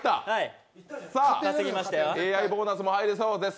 Ａｉボーナスも入りそうです。